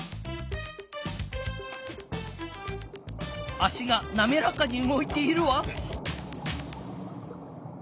足がなめらかに動いているわ。